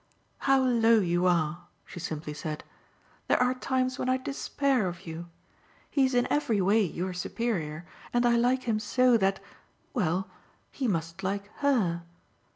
"How low you are!" she simply said. "There are times when I despair of you. He's in every way your superior, and I like him so that well, he must like HER.